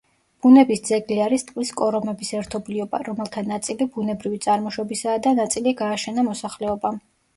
ბუნების ძეგლი არის ტყის კორომების ერთობლიობა, რომელთა ნაწილი ბუნებრივი წარმოშობისაა და ნაწილი გააშენა მოსახლეობამ.